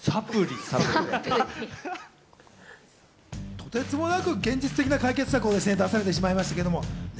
とてつもなく現実的な解決策を出されてしまいました。